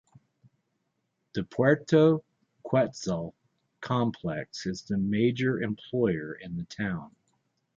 The Puerto Quetzal complex is the major employer in the town.